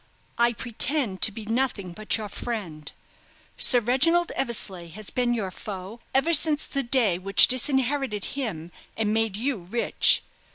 "I pretend to be nothing but your friend. Sir Reginald Eversleigh has been your foe ever since the day which disinherited him and made you rich.